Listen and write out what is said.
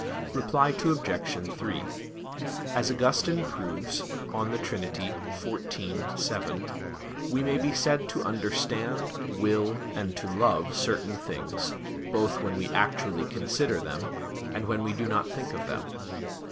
Reply Obj. 3: As Augustine proves (De Trin. xiv, 7), we may be said to understand, will, and to love certain things, both when we actually consider them, and when we do not think of them.